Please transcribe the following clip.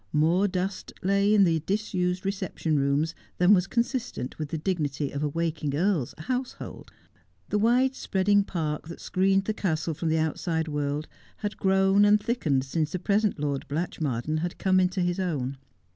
More dust lay in the disused reception rooms than was consistent with the dignity of a waking earl's household. The wide spreading park that screened the castle from the outside world had grown and thickened since the present Lord Blatchmardean had come into his own.